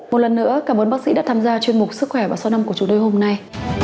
một lần nữa cảm ơn bác sĩ đã tham gia chuyên mục sức khỏe và so năm của chủ đôi hôm nay